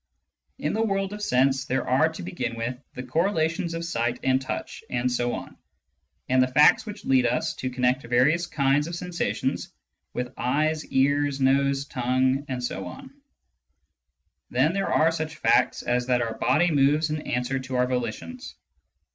In the world of sense, there are to begin with the correlations of sight and touch and so on, and the facts which lead us to connect various kinds of sen sations with eyes, ears, nose, tongue, etc. Then there are such facts as that our body moves in answer to our volitions.